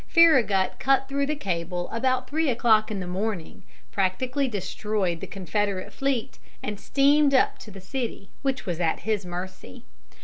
Farragut cut through the cable about three o'clock in the morning, practically destroyed the Confederate fleet, and steamed up to the city, which was at his mercy.